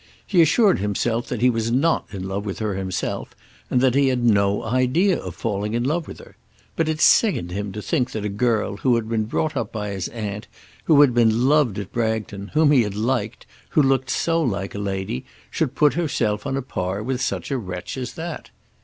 He assured himself that he was not in love with her himself, and that he had no idea of falling in love with her; but it sickened him to think that a girl who had been brought up by his aunt, who had been loved at Bragton, whom he had liked, who looked so like a lady, should put herself on a par with such a wretch as that.